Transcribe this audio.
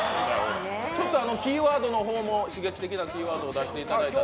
キーワードの方も刺激的なキーワードを出していただいて。